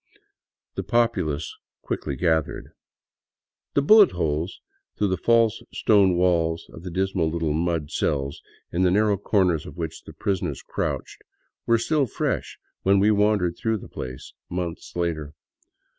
The populace quickly gathered. The bullet holes through the false stone walls of the dismal little mud cells, in the narrow corners of which the prisoners crouched, were still fresh when we wandered through the place, months later.